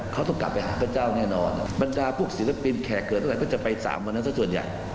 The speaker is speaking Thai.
เขาต้องกลับไปหาพระเจ้าแน่นอนบรรดาพวกศิลปินแขกเกิดอะไรก็จะไปสามวันนั้นสักส่วนใหญ่